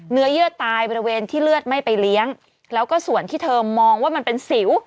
เยื่อตายบริเวณที่เลือดไม่ไปเลี้ยงแล้วก็ส่วนที่เธอมองว่ามันเป็นสิว